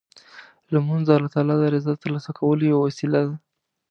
لمونځ د الله تعالی د رضا ترلاسه کولو یوه وسیله ده.